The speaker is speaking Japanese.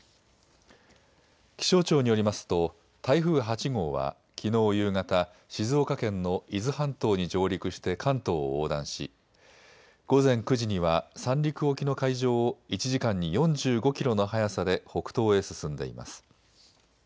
気象庁によりますと台風８号はきのう夕方、静岡県の伊豆半島に上陸して関東を横断し午前９時には三陸沖の海上を１時間に４５キロの速さで北東へ進んでいます。